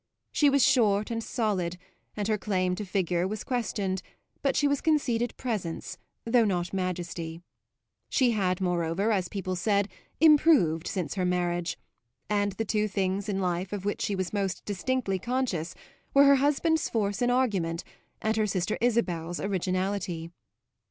She was short and solid, and her claim to figure was questioned, but she was conceded presence, though not majesty; she had moreover, as people said, improved since her marriage, and the two things in life of which she was most distinctly conscious were her husband's force in argument and her sister Isabel's originality.